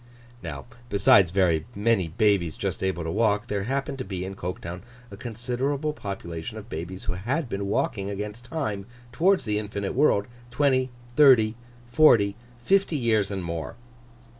Now, besides very many babies just able to walk, there happened to be in Coketown a considerable population of babies who had been walking against time towards the infinite world, twenty, thirty, forty, fifty years and more.